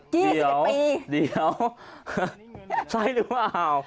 เดี๋ยวเดี๋ยวใช่หรือเปล่า